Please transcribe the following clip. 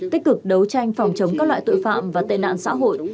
tích cực đấu tranh phòng chống các loại tội phạm và tệ nạn xã hội